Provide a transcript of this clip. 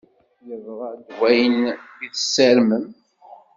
Yeḍṛa-d wayen i tessarmem?